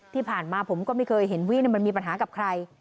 ที่ผ่านมาผมก็ไม่เคยเห็นวี่มันมีปัญหากับใคร